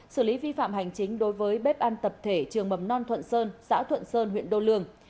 xử lý vi phạm hành chính đối với bếp ăn tập thể trường mầm non thuận sơn xã thuận sơn huyện đô lương